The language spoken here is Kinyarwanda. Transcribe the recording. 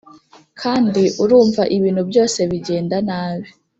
kandi urumva ibintu byose bigenda nabi.